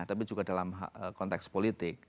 tapi juga dalam konteks politik